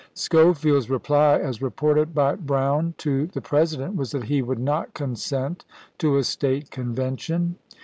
Scho field's reply, as reported by Brown to the President, was that he would not consent to a State Conven tion.